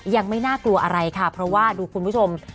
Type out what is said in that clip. ยังไม่น่ากลัวอะไรค่ะเพราะว่าดูคุณผู้ชม